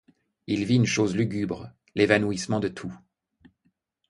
Il vit une chose lugubre, l’évanouissement de tout.